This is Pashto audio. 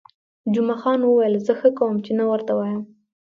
جمعه خان وویل: زه ښه کوم، چې نه ورته وایم.